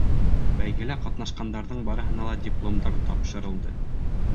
Бәйгелә ҡатнашҡандарҙың барыһына ла дипломдар тапшырылды.